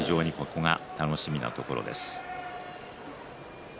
楽しみなところです。